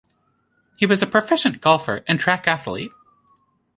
He was a proficient golfer and track athlete.